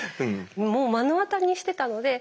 もう目の当たりにしてたので。